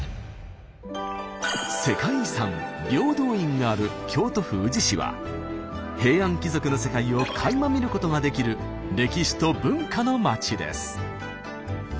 世界遺産平等院がある京都府宇治市は平安貴族の世界をかいま見ることができる歴史と文化のまちです。